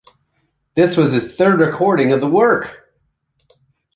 This was his third recording of the work.